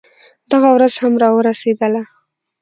دغه ورځ هم راورسېدله.